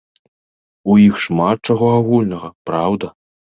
У іх шмат чаго агульнага, праўда.